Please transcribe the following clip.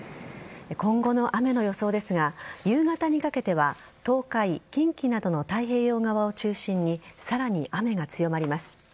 今後の雨の予想ですが夕方にかけては東海、近畿などの太平洋側を中心にさらに雨が強まります。